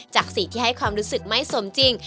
สีที่ให้ความรู้สึกไม่สมจริง